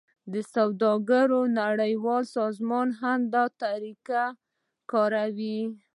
د سوداګرۍ نړیوال سازمان هم دا طریقه کاروي